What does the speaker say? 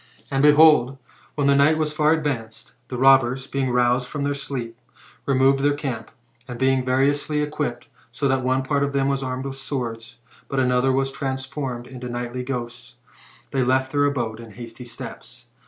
And, behold, when the night was far advanced, the robbers, being roused from their sleep, removed their camp ; and, being variously equipped, so that one part of them was armed with swords, but another vras transformed into nightly ghosts, they left their abode with hasty steps.